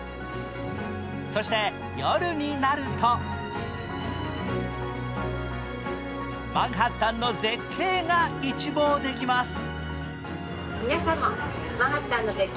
そして夜になるとマンハッタンの絶景が一望できます。